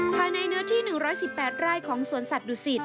ภายในเนื้อที่๑๑๘ไร่ของสวนสัตว์ดุสิต